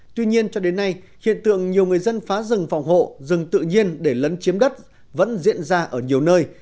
tuy nhiên cho đến nay hiện tượng nhiều người dân phá rừng phòng hộ rừng tự nhiên để lấn chiếm đất vẫn diễn ra ở nhiều nơi